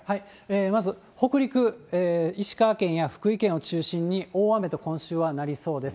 まず北陸、石川県や福井県を中心に、大雨と今週はなりそうです。